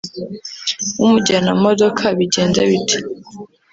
umujyana mu modoka bigenda bite